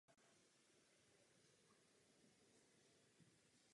Začne si uvědomovat pojem smrt a přemýšlet o něm.